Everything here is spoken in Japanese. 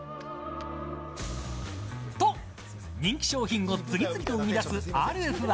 と、人気商品を次々と生み出すＲＦ１。